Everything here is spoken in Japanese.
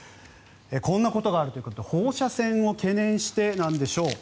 こんなことがあるということで放射線を懸念してなんでしょう。